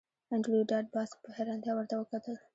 انډریو ډاټ باس په حیرانتیا ورته وکتل